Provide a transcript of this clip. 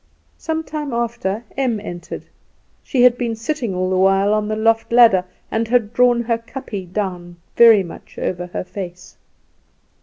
Some time after Em entered; she had been sitting all the while on the loft ladder, and had drawn her kapje down very much over her face.